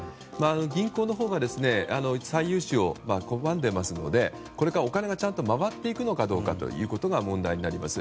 銀行のほうが再融資を拒んでいますのでこれからお金がちゃんと回っていくのかどうかということが問題になります。